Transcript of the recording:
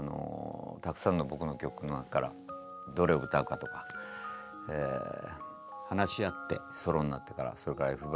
たくさんの僕の曲の中からどれを歌うかとか話し合ってソロになってからそれからＦ−ＢＬＯＯＤ